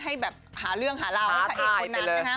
ให้หาเรื่องหาเล่าให้พระเอกคนนั้น